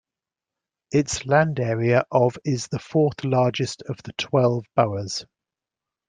Its land area of is the fourth largest of the twelve boroughs.